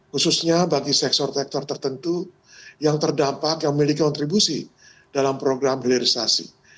khususnya bagi sektor sektor tertentu yang terdampak yang memiliki kontribusi dalam program hilirisasi